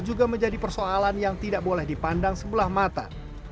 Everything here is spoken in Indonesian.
juga menjadi persoalan yang tidak boleh dipandang sebelah mata